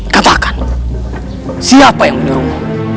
katakan siapa yang menyuruhmu